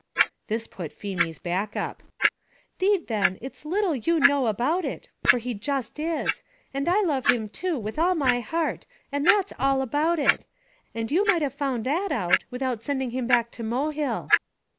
This put Feemy's back up, "'Deed then, it's little you know about it, for he just is; and I love him too with all my heart, and that's all about it; and you might have found that out without sending him back to Mohill."